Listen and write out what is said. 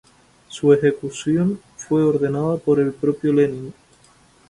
Su ejecución fue ordenada por el propio Lenin.